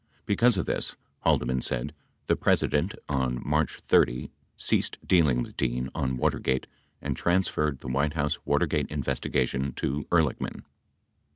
Because of this, Haldeman said, the President, on March 30, ceased dealing with Dean on Watergate and transferred the White House Watergate investigation to Ehrlichman.